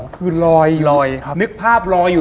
คือลอยอยู่